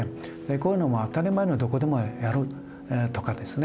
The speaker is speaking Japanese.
こういうのを当たり前のようにどこでもやるとかですね